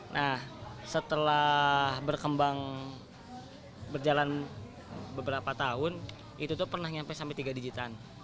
nah setelah berkembang berjalan beberapa tahun itu tuh pernah sampai tiga digitan